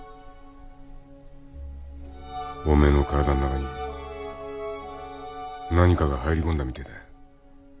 お前の体の中に何かが入り込んだみてえだ。